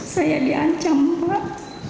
saya diancam pak